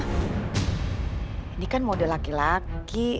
ini kan model laki laki